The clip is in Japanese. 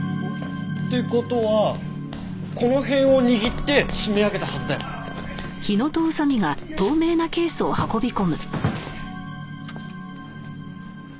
って事はこの辺を握って締め上げたはずだよ。よいしょ！